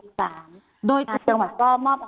หน่วยงานที่เกี่ยวข้องการดำเนินการ